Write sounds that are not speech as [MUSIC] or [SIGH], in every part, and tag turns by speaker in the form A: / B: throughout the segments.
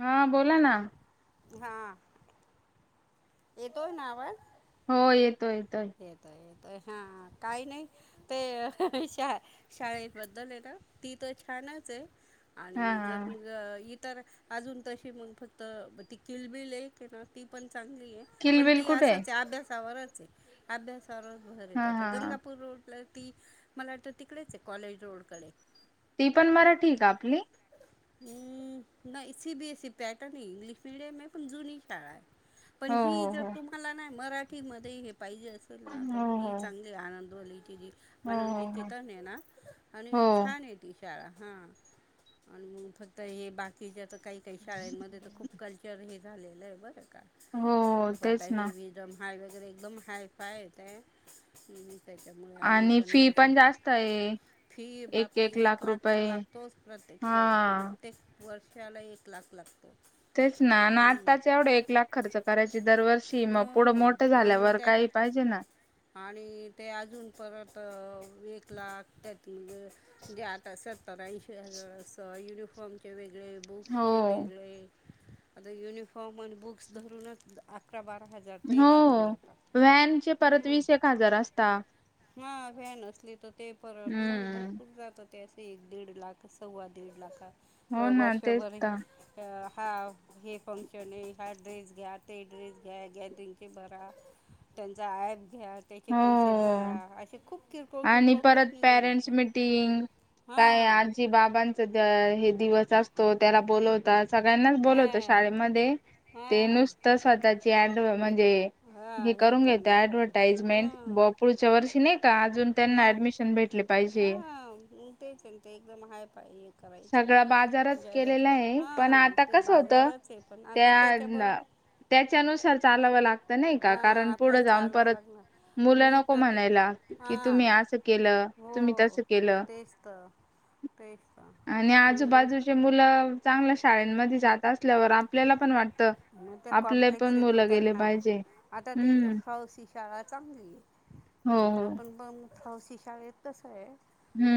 A: हा बोला ना.
B: हा येतोय ना आवाज
A: हो येतोय. येतोय
B: येतोय ये हा काही नाही ते शाळे बद्दल हाय ना ती त छान -
A: हा
B: आणि जर
A: हा
B: म तर अजून तशी मग फक्त ती किलबिल आहे की ना ती पण चांगली आहे पण
A: किलबिल
B: ती
A: कुठे आहे
B: असच अभ्यासावर आहे. अभ्यास. स भर
A: हा
B: त्याचा
A: हा हा
B: गंगापूर रोड ला ती मला वाटत तिकडेच आहे कॉलेज रोड कडे
A: ती पण मला ठीक आहे आपली
B: हम् ना इी भी ती पण सीबीएससी पॅटर्न ह इंग्लिश मीडिम ह पण जुनी आहे. पण
A: हो
B: ही जर
A: हो
B: तुम्हाला नाही मराठीमध्ये हे पाहिजे असेल ना तर
A: हो
B: मग ही
A: हो
B: चांगली आनंद. कॉलिटीजी
A: हो
B: मण
A: हो हो
B: निकेतन आहे ना आणि
A: हो हो
B: छान आहे ती शाळा. हा आणि मग फक्त हे बाकीच्या तर काही काही शाळांमध्ये तर खूप कल्चर हे. झालेलं आहे बरं का
A: हो
B: खूप आता
A: तेच ना
B: हेवी रम हाय व वगैरे एकदम हाय फाय येत आहे. त्याच्यामुळे आम्ही
A: आणि फी
B: नाही
A: पण जास्त आह.
B: फी बापर एक लाख तर लागतोच प्रत्येक अच्छा
A: हा
B: प्रत्येक वर्षाला एक लाख लागतो.
A: तेच ना आणि
B: हम्म.
A: आत्ताच एवढं एक लाख खर्च करायची दरवर्ष
B: हो आ त्याच्या
A: ना
B: आणि ते अजून परत हह. एक लाख त्या जे आता सत्तरऐशी हजार युनिफॉर्मचे व
A: हो
B: बुक्स चे वेगळे आता युनिफॉर्म आणि बुक्स धरूनच अकरा बारा. हजार ते
A: हो
B: लागून जातात
A: व्हॅनचे परत
B: हम्म.
A: वीस एक हजार असता.
B: हा व्हॅन असली तर ते परल मग
A: हम्म
B: भरपूर जातात. त्याच एक दीड लाख सव्वा दीड लाख
A: हो ना तेच
B: वर्षभर
A: तर
B: हा हे फंक्शन आहे हा ड्रेस घ्या ते ड्रेस. या गॅदिंचे बरा त्यांचा घ्या त्याचे पैसे
A: हो
B: भरा असे खूप किरकोळ
A: आणि
B: किरकोळ खूप
A: परत
B: निघून
A: पॅरेंट्स
B: जात.
A: मिटिंग काय आजी बाबांच हे दिवस असतो त्याला बोलवतात. सगळ्यांनाच बोलवतो
B: हां
A: शाळेमध्ये ते
B: हां
A: नुसतं स्वतःची ऍड म्हणजे हे
B: हां
A: करून घे
B: करण्यासाठी
A: ऍडव्हटाईज
B: हां
A: ेपुरच्या वर्षी नाही का अजून त्यांना
B: मग
A: ऍडमिशन भेटले पाहिजे.
B: हां मग तेच आहे ना, ते एकदम हाय पाई.
A: सगळा
B: करायचं
A: बाजारच केलेला आहे पण
B: हा
A: आता
B: ते
A: कसं होतं
B: बाजारच आहे पण आता त्याच्याबरोबर
A: त्या त्याच्यानुसार चालावं लागत नाही का
B: हां
A: कारण पुढं
B: आपल्याला
A: जाऊन
B: चालावं
A: परत.
B: लागणार
A: मुलं
B: मी
A: नको
B: तर ते
A: म्हणायला कि तुम्ही
B: हां
A: असं केलं तुम्ही
B: हो
A: तस केलं.
B: तेच तर तेच तर
A: आणि
B: मग मग
A: आजूबाजूचे मुलं चांगल्या शाळेमध्ये जात असतात. त्या पणवर आपल्याला पण वाटत
B: मग ते
A: आपले
B: कॉम्प्लेक्स
A: पण
B: येतो
A: मुलं गेले
B: त्यांना
A: पाहिजे.
B: आता ती
A: हम्म
B: फावसी शाळा चांगलीये
A: हो हो
B: आता पण ब फावसी शाळेतसय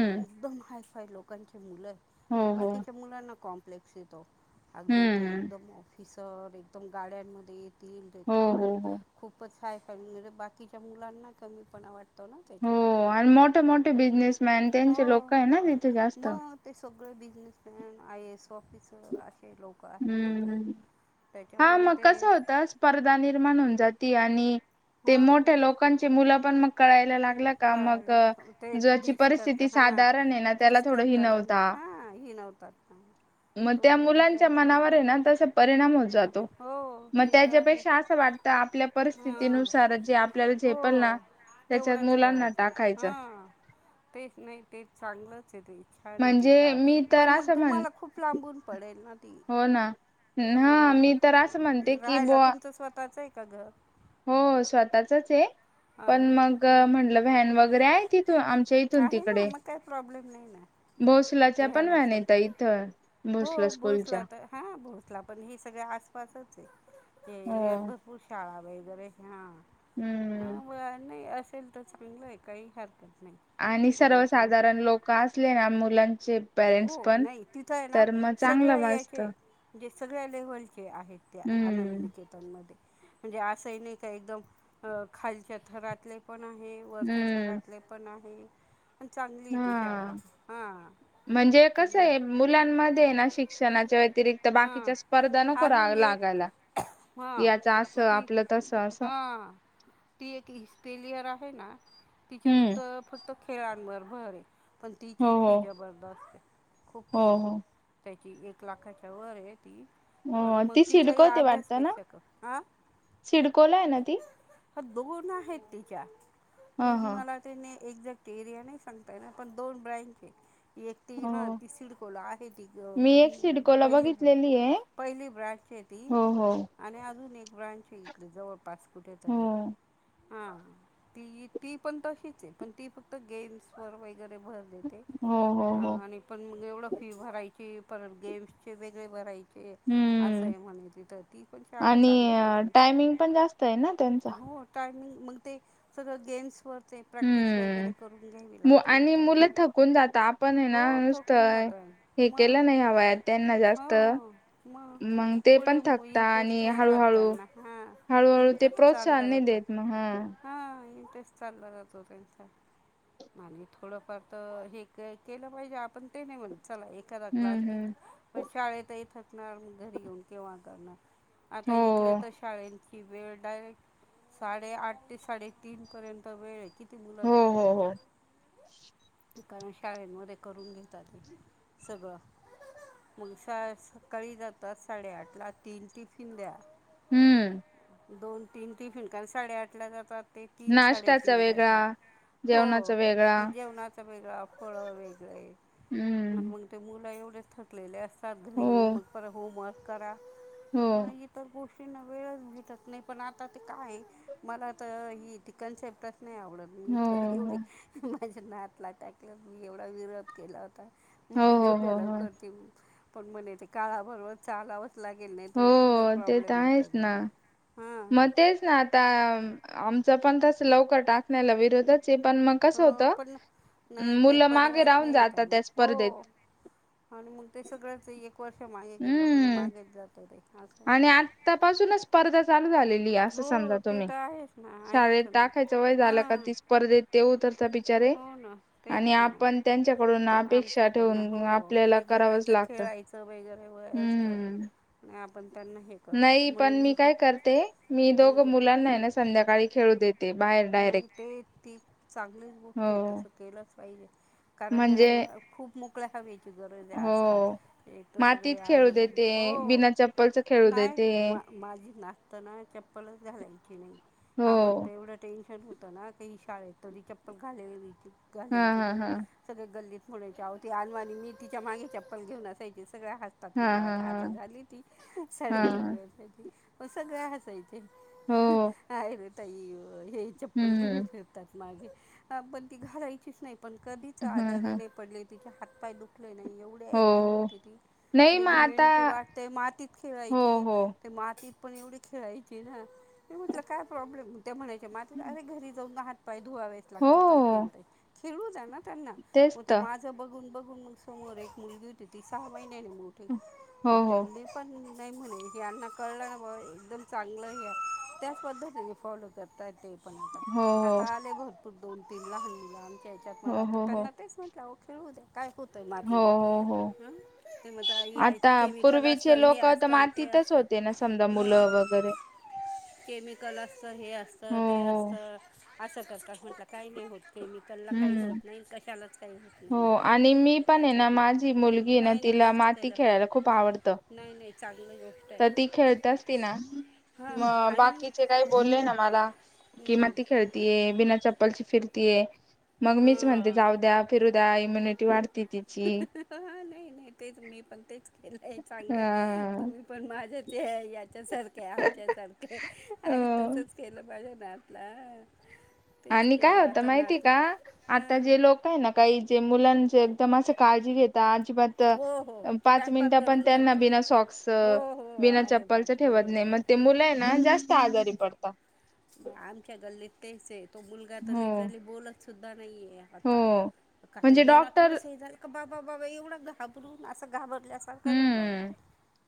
B: अ एकदम हायफाय लोकांची मुले
A: हो
B: त
A: हो
B: बाकीच्या मुलांना कॉम्प्लेक्स येतो अगदी
A: हम्म
B: तेे
A: हम्म
B: एकदम तिसर एकदम गाड्यांमध्ये येतील
A: हो हो
B: तेकाय
A: हो
B: खूपच काय कर्णर बाकीच्या मुलांना कमीपणा वाट
A: हो आण् मोठे मोठे बिझनेसमॅन
B: त्याच्या
A: त्यांची
B: हो
A: लोक आयना तिथे जास्त.
B: मग ते सगळे बिजनेसमॅन आयएएस ऑफिसर अशे लोक आहेत तिथं
A: हम्म हां
B: त्याच्यामुळे
A: मग
B: ते
A: कसं होतं स्पर्धा निर्माण हून जाती आणि ते
B: हां
A: मोठ्या लोकांचे मुलंपण मग कळायला लाग ल का
B: कळायला
A: मग
B: लागलं ते
A: ज्याची
B: डिश करता
A: परिस्थिती
B: हां
A: साधारणेना त्याला थोड हिणवता.
B: णवतात.
A: म त्या मुलांच्या मनावरेना तसं परिणाम होत जातो
B: हो
A: म
B: ते तर आहे
A: त्याच्यापेक्षा असं वाटत आपल्या
B: हां
A: परिस्थितीनुसार जे आपल्याला
B: हो
A: झेपत ना. त्याच्यात
B: तेवढंच
A: मुलांना
B: करायचंय,
A: टाकायचं
B: हां तेच नाही तेच चांगलंचेय ते. छान ती
A: म्हणजे
B: शाळा
A: मी तर
B: पण मग तुम्हाला खूप लांबून पडेल ना, ती
A: होना अं हां, मी तर असं
B: ते
A: म्हणते की
B: राहायला
A: बुवा,
B: तुमचं [UNINTELLIGIBLE]
A: हो स्वतःचचे. पण
B: अरे वा
A: मंग
B: हं.
A: म्हंटल व्हॅन वगैरे आहे. तिथून आमच्या इथून
B: आहे ना
A: तिकडे,
B: मग काही प्रॉब्लेम नाही ना
A: भोसलाच्या
B: वेळ
A: पण व्हॅन हायत
B: नसेल तर
A: ताई इथं,
B: हो
A: भोसले स्कूलच्या.
B: आसपासचे या
A: हो
B: एरीयात भरपूर शाळा वेगैरे हां. [UNINTELLIGIBLE]
A: हम्म
B: असेल तर चांगलंय काई हरकत नाही
A: आणि
B: म्हणजे तुम
A: सर्वसाधारण लोक असलेना मुलां चे
B: हो
A: पॅरेंट्स पण,
B: नाही तिथं आहे ना
A: तर म‌ चांगलं
B: सगळ्या
A: वाजत.
B: याचे म्हणजे सगळ्या लेव्हलचे, आहेत त्या आनंद
A: हम्म
B: निकेतनमध्ये. म्हंजे असही नइका एकदम अ, खालच्या थरातले, पण आहे वरच्या
A: हम्म
B: थरातले पण आहे. पण चांगली ती शाळा. हां,
A: म्हंजे कसंय मुलांमध्येय ना, शिक्षणाच्या व्यतिरिक् क्त
B: हां
A: बाकीच्या स्पर्धा नको रा
B: अजून एक
A: लागायला,
B: हां
A: याच
B: मग
A: असं
B: ती
A: आपलं तसं असं.
B: हां, ती एक हिस्टेलियर आ हेना
A: हम्म
B: तिच्यात फक्त खेळांवर भरये. पन
A: हो
B: तिची
A: हो
B: फी जबरदस्तए, खूप
A: हो
B: फी
A: हो
B: त्याची एक लाखाच्या वरये.
A: अ.. ती सिडकोत ते वाटत ना,
B: अभ्यासपेक्षा क हां
A: सिडकोलाय आहे ना ती.
B: दोन आहेत तिच्या,
A: ह
B: ती
A: ह
B: मला तीने एक्झॅक्ट एरिया नई सांगता येणार, पण दोन ब्रँचेत एक ती
A: हो
B: हां ती सिडकोला आहे ती ग
A: मी एक सिडकोला
B: पहिली बे
A: बघितलेली आहे
B: पहिली ब्रॅंचेती
A: हो हो
B: आणि अजून एक, ब्रँच ये इकडे जवळपास
A: हो
B: कुठेेतरी, आं ती, ती पन तशीचे पन ती फक्त गेम्स वर गैर भर देते
A: हो हो हो
B: आणि पण मग एवढं फी भरायची परत गेम्सच, चे वेगळे भराय चे
A: हम्म
B: असेय म्हणे तिथं ती पण शाळा
A: आणि
B: चांगलीये तेच,
A: टायमिंग पण जास्त आहे ना त्यांचा
B: हो हो टाइमिंग मग ते सगळ गेम्सवर, चे प्रॅक्टिस वैगेरे
A: हम्म
B: करून घ्यावी
A: मु-
B: लागते ना,
A: आणि
B: त्यांना
A: मुलं थकून जात आपण आहे ना
B: हो थकून
A: नुसतं
B: जातात.
A: हे केलंना ह्या वयात त्यांना जास्त,
B: हो मग
A: मंग ते
B: पुढे
A: पण थकता
B: इंटरेस्ट
A: आणि
B: नाही राहत
A: हळूहळू,
B: त्यांना हां
A: हळूहळू ते
B: इंटरेस्ट
A: प्रोत्साहन नाही देत. म हां,
B: नाही तेच चालला जात होत त्यांच, आणि थोडंफार तर हे केलं पाहिजे. आपण ते नाही म्हणत, चला एखादा क्लास
A: हम्म हम्म
B: तींत पण, शाळेत ही थकणार मग घरी येऊन केव्हा करणार. आता इकडे
A: हो
B: तर शाळेेत, हि वेळ डायरेक्ट साडेआठ ते साडेतीन पर्यंत वेळ ये, किती मुलं
A: हो हो
B: थकत
A: हो
B: येत. कारण शाळेमध्ये करून घेतात ये सगळं, मग शाळा सकाळी जातात, साडेआठ ला तीन टिफिन द्या.
A: हम्म,
B: दोन तीन टिफीन कारण साडेआठ ला जातात. ते तीन
A: नाश्त्याचा
B: साडेतीन ला
A: वेगळा
B: येतात, हो
A: जेवणाचा वेगळा
B: जेवणाच वेगळा फळ वेगळेत, आणि
A: हम्म
B: मग ते मुलं एवढे थकलेले अस तात घरी
A: हो
B: येऊन मग पर होमवर्क करा,
A: हो
B: मग इतर गोष्ट, वेळच भेटत नाही. पण आता ते काय मला तर हे तर कन्सेप्ट. नाही आवडत. मी
A: हो
B: तर एवढी
A: हो
B: माझ्या नातला टाकलं मी एवढा विरोध केला होता.
A: हो हो हो
B: [UNINTELLIGIBLE]
A: हो
B: करतील पण म्हणे य ते काळाबरोबर चालाव.
A: हो ते तर आहेच ना
B: मग हां
A: मग तेच ना आता आ ज पण तस लवकर टाकण्याला विरोधत पण मग कस
B: हो
A: होत
B: पण नाही ते
A: मुलं मागे
B: पर्यायच
A: राहून
B: नाही येत
A: जातात
B: आणि
A: त्या
B: हो
A: स्पर्धेत.
B: आणि मग ते सगळंच एक वर्ष मागे गेलं म्हणजे,
A: हम्म
B: मागेच जात ते असं आहे
A: आणि
B: ना
A: आतापासूनच स्पर्धा चालू झाली. अस समजा
B: हो ते
A: तुम्ही
B: तर आहेच ना
A: शाळेत
B: आहेच ना
A: टाकायचं वय झालं का
B: हां
A: ती स्पर्धेत तेऊ तरचा बिचार
B: हो ना
A: आणि
B: तेच ना
A: आपण त्यांच्याकडून अपेक्षा
B: आमच्याकडनं
A: ठेवून
B: हो
A: आपल्याला करावंच
B: एकजणांचं
A: लागत.
B: [UNINTELLIGIBLE] वगैरे वय असत आपण त्यांना हे करतो
A: नाही
B: म्हणून
A: मी
B: पण
A: काय करते मी दोघ
B: हां
A: मुलांना ना संध्याकाळी खेळू देत
B: नाही ते ती चांगलीच गोष्ट आहे,
A: हो.
B: तस केलंच पाहिजे. कारण या
A: म्हणजे
B: मुला खूप मोकळ्या हवेची गरज आहे, आजकाल
A: हो
B: एक त स
A: मातीत
B: [UNINTELLIGIBLE] आण
A: खेळू देते
B: हो
A: बिना चप्पलच खेळू देते.
B: नाही माझी नाशतना चप्पलच घालायची नाही. आमला
A: हो
B: तर एवढा ते, हो ना काही शाळेत कधी चप्पल घालेल
A: हा हा
B: घालेल
A: हा
B: सगळे गल्लीत म्हणायच्यावती आणनवानी मी तिच्या मागे चप्पल घेऊन असायचे. सगळं हसतात
A: हा
B: मला
A: हा हा
B: आता झाली ती साडेचार
A: हा
B: वर्षाची पण सगळे हसायचे.
A: हो
B: आहे रे तई हे चप्पल घेऊन
A: हम्म
B: फिरतात. माझे पण ती घालायचीच नाही पण कधीच
A: हम्म हा
B: आजारी
A: हा
B: नाही पडले, तिचे हात पाय दुख नाही एवढे. ऍक्टिव्ह
A: हो
B: होते ती
A: नाही मग आता
B: इम्युनिटी वाढते मातीत
A: हो
B: खेळायची
A: हो
B: ते मातीत पण एवढी खेळायची ना! ते म्हटलं काय प्रॉब्लेम त्या म्हणायचे मझ अरे घरी जाऊनात धुवावे लागतात
A: हो.
B: खेळू द्या ना त्यांना
A: तेच
B: मग ते
A: तर
B: माझं बघून - बघून ून स रे एक मली घडं ते सहा बहि नाही मठं
A: हो
B: मग त
A: हो
B: प [INAUDIBLE] नाही म्हणे यांना कळलं ना बा एकदम चांगलं या त्याच पद्धतीने फॉलो तेता ते, पण आता
A: हो, हो.
B: आता आले भरपूर दोन तीन लहान मु आणि त्या्च्यात म आता
A: हो हो हो
B: त्यांना तेच म्हटलं अव खेळू द्या. काय होतंय
A: हो
B: मातीने
A: हो हो
B: ते म याय केमिकल असतं हे असतं ते
A: तस
B: असतं
A: होते ना समजा
B: मग
A: मुलं वगैरे,
B: केमिकल असत, हे असत,
A: हो
B: ते
A: हो
B: असत, असं करतात, म्हटलं काही नाही होत. त्यांना काही
A: हम्म
B: होत नाही, कशालाच काही होत नाही,
A: हो
B: मधलं
A: आणि मी पण आहे
B: काहीच
A: ना
B: होत नाही.
A: माझी मुलगी आहे ना तिला
B: तसंच
A: माती
B: केलं
A: खेळायला
B: पाहिजे
A: खूप आवडतं.
B: नाही नाही चांगली गोष्ट
A: तर ती
B: आहे
A: खेळत असती ना
B: हां
A: मग
B: आणि
A: बाकीचे काही बोलले ना मला की
B: हम्म,
A: माती खेळतीये बिना चप लची फिरतीये मग मीच म्हणते
B: हां
A: जाऊ द्या फिरू द्या इम्युनिटी वाढते.
B: अं
A: तिची
B: अहहह हा नाही नाही ते च मी पण तेच केलंय चांगलंय तुम्ही... पण माझ्या ते याच्यासारखे आमच्यासारखे आणिही
A: अ
B: तसंच केलं माझ्या त्यातला.
A: आणि काय होतं माहिती का, आता
B: हां
A: जे लोक आहे ना काही जे मुलां एकदम अस काळजी घेतात. पत
B: हो हो
A: पाच
B: पॅम्पर
A: मिनट पण
B: करून
A: त्यांना
B: ठेवतात ते
A: बिना
B: हो
A: सॉक्सच
B: हो
A: बिना
B: अरे
A: चप्पलचं ठेवत
B: बापरे
A: नाही. मग ते मुलं हे ना जास्त आजारी पडतात.
B: आमच्या गल्लीत तेच हे तो मुलगा तर
A: हो
B: लिटरली बोलत सुद्धा नाहीये.
A: हो
B: आता कारण
A: म्हणजे
B: हे ना
A: डॉक्टर
B: थोडस हे झालं का बाबा बाबा एवढा घाबरून असं घाबर.
A: हम्म,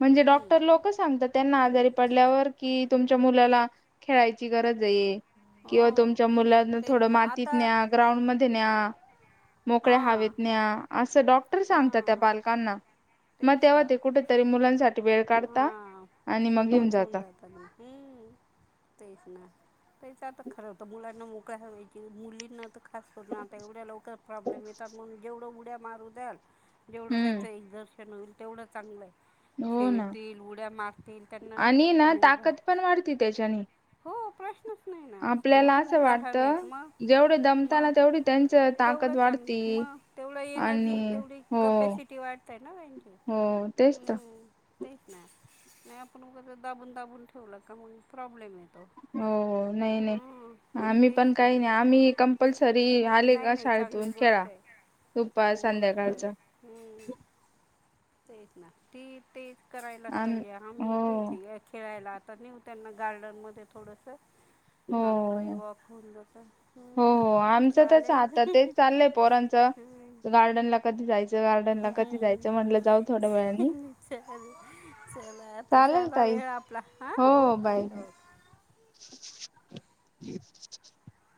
A: म्हणजे डॉक्टर
B: हम्म
A: लोक सांगतात त्यांना आजारी पडल्यावर कि, तुमच्या मुलाला खेळाय गरज हे किंवा
B: हो
A: तुमच्या मुलांना
B: तेच
A: थोड
B: ना
A: मातीत
B: आता
A: न्या ग्राउंड मध्ये न्या. मोकळ्या
B: हां
A: हवेत न्या असं डॉक्टर सांगतात त्या
B: हां
A: पालकांना. मग
B: तेच
A: तेव्हा
B: तर.
A: ते कुठेतरी मुलांसाठी वेळ
B: हा,
A: काढता आणि
B: हम्म
A: मग घेऊन
B: तेच होऊन
A: जाता.
B: जातं मग, हम्म तेच ना. तेच आता खरं होतं मुलांना मोकळ्या हवेची मुलींना तर ख खास करून आता एवढ्या लवकर प्रॉब्लेम येतात, म्हणून जेवढं उड्या मारू द्याल जेवढं त्यांचं एक्झर्शन होईल तेवढं चांगलंय.
A: हो ना,
B: त्यांना
A: आणि ना
B: मोबाईल
A: ताकद पण वाढती त्याच्यानी.
B: हो प्रश्नच नाही ना
A: आपल्याला
B: जेवढं
A: असं
B: मोकळ्या हवेत
A: वाटतं
B: मग
A: जेवढे दमता
B: मग
A: ना तेवढी त्यांच्या ताकद वाढती.
B: तेवढ एनर्जी
A: आणि
B: तेवढी
A: हो
B: कपॅसिटी वाढतंय ना त्यांची,
A: हो तेच तर
B: हम्म. तेच ना, नाही आपण उगच दाबून दाबून ठेवलं का मग प्रॉब्लेम ये
A: हो हो, नाही नाही आम्ही
B: तेच
A: पण
B: तर
A: काही नाही आम्ही कंपल्सरी आले
B: नाही
A: का
B: नाही
A: शाळेतून
B: चांगली
A: खेळा.
B: गोष्ट आहे
A: दुपार
B: चांगली गोष्ट हाय,
A: संध्याकाळच
B: हम्म. तेच ना ते तेच करायलाच
A: आम
B: पाहिजे. आम्ही
A: हो
B: तेच खेळायला- - आता नेऊ त्यांना गार्डनमध्ये थोडंसं.
A: हो
B: आमपलाही वॉक होऊन जातो.
A: हो
B: हम्
A: हो आमचं
B: चालेल. हम्म,
A: गार्डन ला कधी जायचं? गार्डनला कधी
B: हम्म.
A: जायचं म्हटलं जाऊ थोड्या वेळानी
B: चल चल आता
A: चालेल
B: जाला वे -
A: ताई
B: - वेळ आपला हा
A: हो
B: ओके
A: बाय बाय
B: ओ
A: [INAUDIBLE]